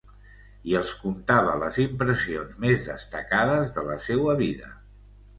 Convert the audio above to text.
I els contava les impressions més destacades de la seua vida.